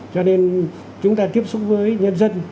cho nên chúng ta tiếp xúc với nhân dân